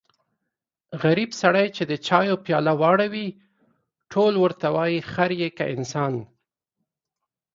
غریب سړی چې د چایو پیاله واړوي ټول ورته وایي خر يې که انسان.